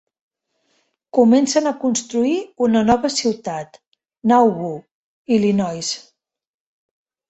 Comencen a construir una nova ciutat, Nauvoo, Illinois.